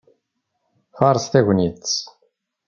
Faṛeṣ tagnit!